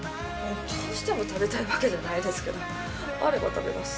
どうしても食べたいわけじゃないですけどあれば食べます。